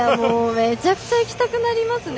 めちゃくちゃ行きたくなりますね。